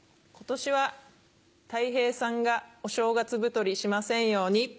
今年はたい平さんがお正月太りしませんように。